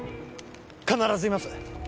必ずいます